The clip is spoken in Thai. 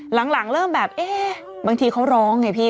หลังเริ่มแบบเอ๊ะบางทีเขาร้องไงพี่